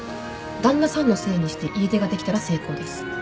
旦那さんのせいにして家出ができたら成功です